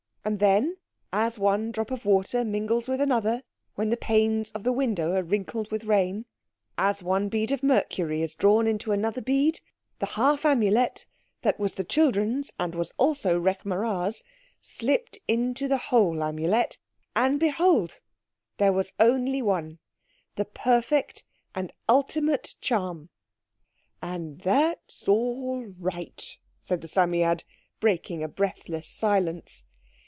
And then, as one drop of water mingles with another when the panes of the window are wrinkled with rain, as one bead of mercury is drawn into another bead, the half Amulet, that was the children's and was also Rekh marā's,—slipped into the whole Amulet, and, behold! there was only one—the perfect and ultimate Charm. "And that's all right," said the Psammead, breaking a breathless silence.